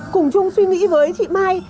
cùng chung suy nghĩ với chị mai